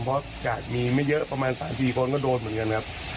เพราะกาดมีไม่เยอะประมาณ๓๔คนก็โดนเหมือนกันครับ